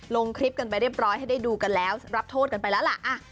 ลงคลิปกันไปเรียบร้อยให้ได้ดูกันแล้วรับโทษกันไปแล้วล่ะ